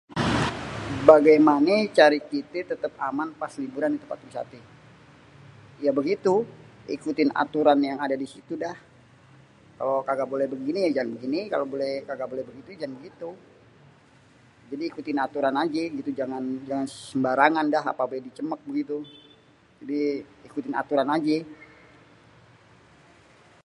Bagimane cara kite tetep aman pas liburan di tempat wisaté? ya begitu ikutin aturan yang adé disitu dah, kalo kaga boleh begini ya jangan begini, kalo kaga boleh begitu jangan boleh begitu, jadi ikutin aturan ajé gitu jangan sembarangan dah, ape baé dicemek begitu, jadi ikutin aturan ajé.